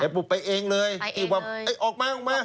ไปเองเลยไอ้ออกมาออกมา